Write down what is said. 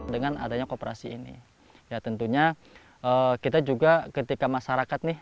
dengan adanya kooperasi ini ya tentunya kita juga ketika masyarakat nih